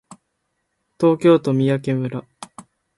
東京都三宅村